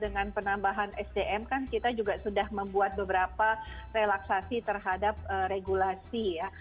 dengan penambahan sdm kan kita juga sudah membuat beberapa relaksasi terhadap regulasi ya